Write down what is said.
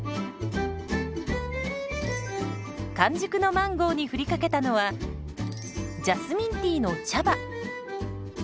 完熟のマンゴーに振りかけたのはジャスミンティーの茶葉。